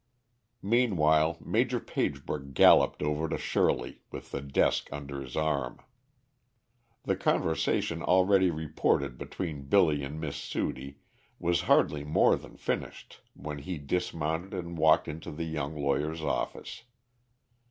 Meanwhile Major Pagebrook galloped over to Shirley, with the desk under his arm. The conversation already reported between Billy and Miss Sudie, was hardly more than finished when he dismounted and walked into the young lawyer's office.